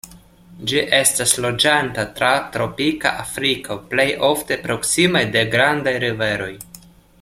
Ĝi estas loĝanta tra tropika Afriko, plej ofte proksime de grandaj riveroj.